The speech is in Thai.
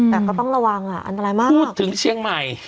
แต่ก็ต้องระวังอ่ะอันตรายมากพูดถึงเชียงใหม่